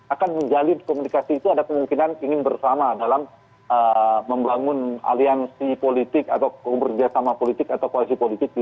akan menjalin komunikasi itu ada kemungkinan ingin bersama dalam membangun aliansi politik atau keberdayaan sama politik atau koalisi politik di dua ribu dua puluh empat